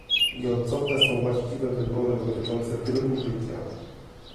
Nieodzowne są właściwe wybory dotyczące trybu życia